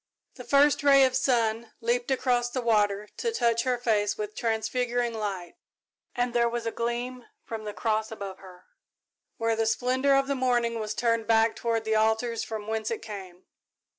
The first ray of sun leaped across the water, to touch her face with transfiguring light, and there was a gleam from the cross above her, where the splendour of the morning was turned back toward the altars from whence it came.